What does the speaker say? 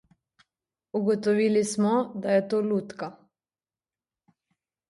Ugotovili smo, da je to lutka.